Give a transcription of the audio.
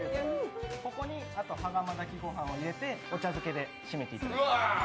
ここに羽釜炊きご飯を入れてお茶漬けで締めていただく。